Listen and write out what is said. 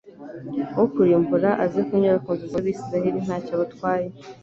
wo kurimbura aze kunyura ku nzu z'Abisirayeli nta cyo abatwaye.